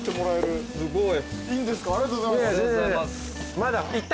ありがとうございます。